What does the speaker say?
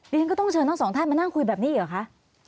ฉันก็ต้องเชิญทั้งสองท่านมานั่งคุยแบบนี้อีกเหรอคะ